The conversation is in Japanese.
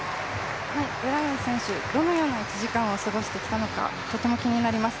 ブラウン選手、どのような１時間を過ごしてきたのか、とても気になります。